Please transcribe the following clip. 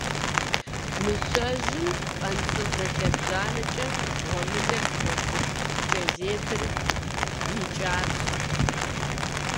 Мыщэжьым пэнцӀыврэ лъэбжьанэкӀэ гъуэмылэр зыкӀуэцӀылъ кӀэзетыр ичатхъэрт.